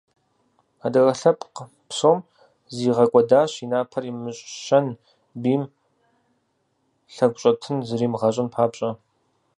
Адыгэ лъэпкъ псом зигъэкӀуэдащ и напэр имыщэн, бийм лъэгущӀэтын зримыгъэщӀын папщӀэ.